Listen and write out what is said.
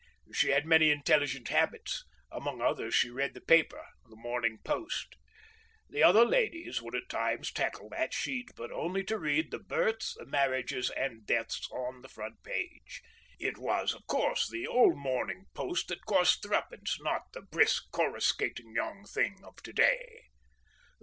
She had many intelligent habits; among others she read the paper—The Morning Post. The other ladies would at times tackle that sheet, but only to read the births, marriages, and deaths on the front page. It was, of course, the old Morning Post that cost threepence, not the brisk coruscating young thing of to day.